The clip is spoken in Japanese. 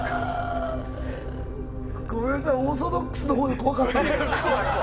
ごめんなさい、オーソドックスに怖かった。